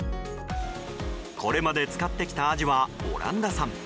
これまで使ってきたアジはオランダ産。